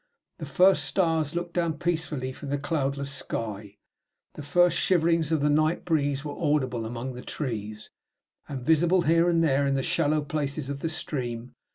The first stars looked down peacefully from the cloudless sky. The first shiverings of the night breeze were audible among the trees, and visible here and there in the shallow places of the stream.